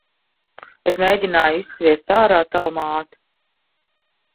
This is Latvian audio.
Es mēgināju izsviest ārā tavu māti.